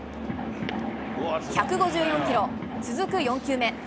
１５４キロ、続く４球目。